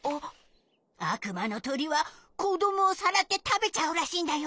あくまのとりはこどもをさらってたべちゃうらしいんだよ。